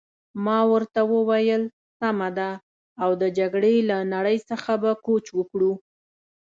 ما ورته وویل: سمه ده، او د جګړې له نړۍ څخه به کوچ وکړو.